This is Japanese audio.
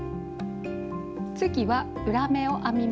次は裏目を編みます。